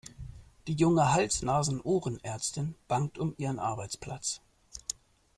Die junge Hals-Nasen-Ohren-Ärztin bangt um ihren Arbeitsplatz.